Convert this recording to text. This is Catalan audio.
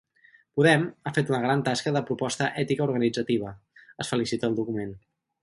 Podem ha fet una gran tasca de proposta ètica-organitzativa, es felicita el document.